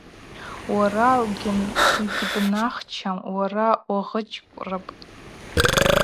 Уара угьбнахчам – уара угъычкӏврыпӏ.